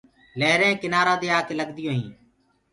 لهرينٚ ڪنآرآ دي آڪي لگديونٚ هينٚ۔